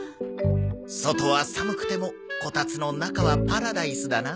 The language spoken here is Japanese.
外は寒くてもこたつの中はパラダイスだなあ。